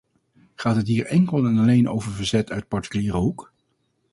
Gaat het hier enkel en alleen over verzet uit particuliere hoek?